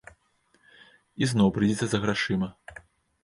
І зноў прыйдзеце за грашыма.